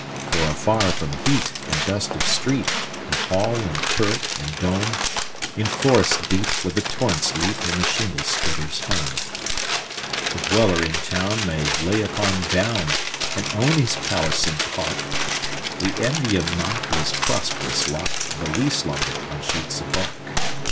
For afar from heat and dust of street, And hall and turret, and dome, In forest deep, where the torrents leap, Is the shingle splitter's home. The dweller in town may lie upon down, And own his palace and park:We envy him not his prosperous lot, Though we slumber on sheets of bark.